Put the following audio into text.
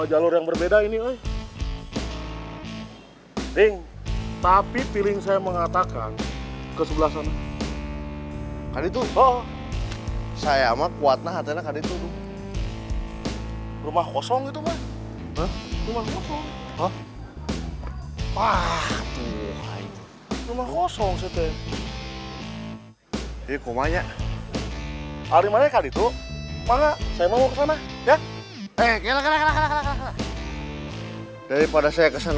jangan lupa like share dan subscribe ya